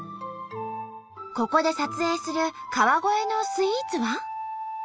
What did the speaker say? ここで撮影する川越のスイーツは？